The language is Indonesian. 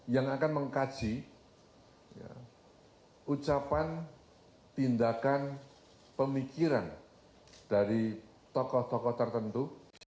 yang akan mengkaji ucapan tindakan pemikiran dari tokoh tokoh tertentu